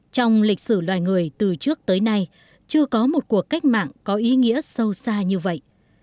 trong lịch sử loài người từ trước tới nay chưa có một cuộc cách mạng có ý nghĩa sâu xa như vậy